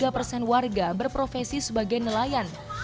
sembilan puluh tiga persen warga berprofesi sebagai nelayan